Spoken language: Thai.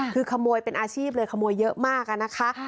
คือขโมยเป็นอาชีพเลยขโมยเยอะมากอะนะคะ